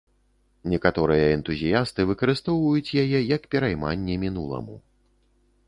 Некаторыя энтузіясты выкарыстоўваюць яе як перайманне мінуламу.